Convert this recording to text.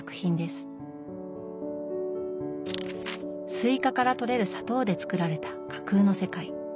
スイカからとれる砂糖でつくられた架空の世界。